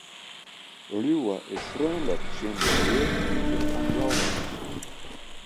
Liuwe is freonlik tsjin de lju yn de omjouwing.